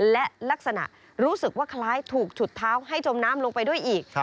และลักษณะรู้สึกว่าคล้ายถูกฉุดเท้าให้จมน้ำลงไปด้วยอีก